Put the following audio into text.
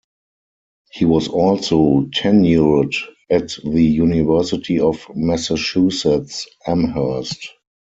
He was also tenured at the University of Massachusetts Amherst.